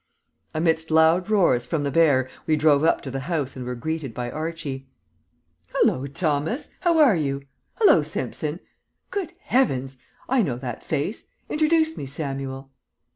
Amidst loud roars from the bear we drove up to the house and were greeted by Archie. "Hallo, Thomas! how are you? Hallo, Simpson! Good heavens! I know that face. Introduce me, Samuel."